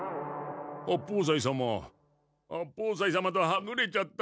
八方斎様八方斎様とはぐれちゃった。